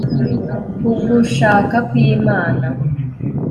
k'ugushaka kw'imana